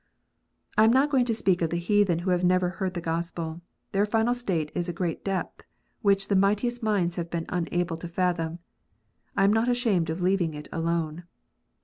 I am not going to speak of the heathen who have never heard the Gospel. Their final state is a great depth, which the mightiest minds have been unable to fathom : I am not ashamed of leaving it alone.